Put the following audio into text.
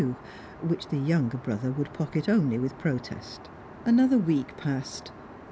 U., which the younger brother would pocket only with protest. Another week passed.